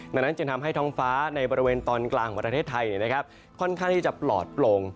ดังนั้นจึงทำให้ท้องฟ้าในบริเวณตอนกลางของประเทศไทยค่อนข้างที่จะปลอดโปร่ง